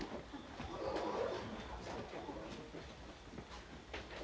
おめでとうございます。